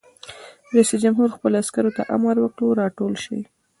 رئیس جمهور خپلو عسکرو ته امر وکړ؛ راټول شئ!